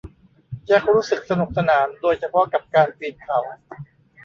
แจ็ครู้สึกสนุกสนานโดยเฉพาะกับการปีนเขา